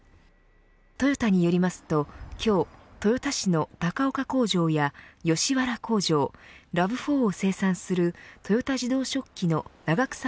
トヨタによりますと、今日豊田市の高岡工場や吉原工場ＲＡＶ４を生産するトヨタ自動織機の長草